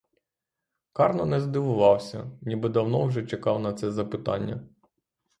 Карно не здивувався, ніби давно вже чекав на це запитання.